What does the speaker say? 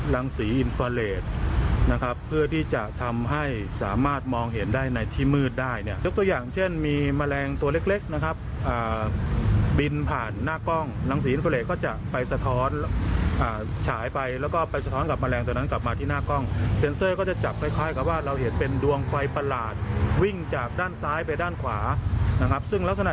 รังสีอินฟราเรดจะส่องไปกระทบแล้วมันก็จะส่องไปกระทบแล้วมันก็จะส่องไปกระทบแล้วมันก็จะส่องไปกระทบแล้วมันก็จะส่องไปกระทบแล้วมันก็จะส่องไปกระทบแล้วมันก็จะส่องไปกระทบแล้วมันก็จะส่องไปกระทบแล้วมันก็จะส่องไปกระทบแล้วมันก็จะส่องไปกระทบแล้วมันก็จะส่องไปกระทบแล้วมันก็จะส่องไปกระทบแล้วมันก็จะส่